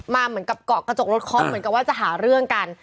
เหมือนกับเกาะกระจกรถเคาะเหมือนกับว่าจะหาเรื่องกัน